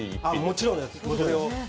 もちろんです。